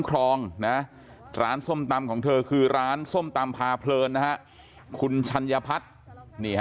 คลองนะร้านส้มตำของเธอคือร้านส้มตำพาเพลินนะฮะคุณชัญพัฒน์นี่ฮะ